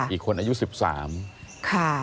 อีกคนอายุสิบสามค่ะ